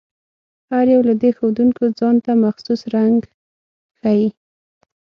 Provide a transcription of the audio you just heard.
هر یو له دې ښودونکو ځانته مخصوص رنګ ښيي.